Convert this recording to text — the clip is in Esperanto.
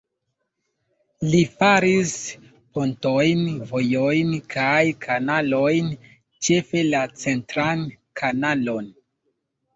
Li faris pontojn, vojojn kaj kanalojn, ĉefe la centran kanalon.